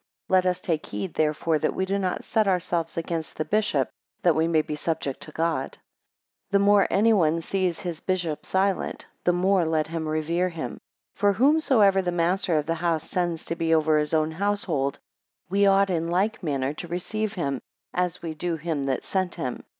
Let us take heed therefore, that we do not set ourselves against the bishop, that we may be subject to God. 4 The more any one sees his bishop silent, the more let him revere him. For whomsoever the master of the house sends to be over his own household, we ought in like manner to receive him, as we do him that sent him.